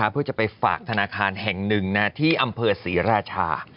เพื่อจะไปฝากธนาคารแห่งหนึ่งที่อำเภอศรีราชา